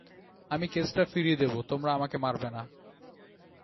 আমি কেসটা ফিরিয়ে দেবো, তোমরা আমাকে মারবে না।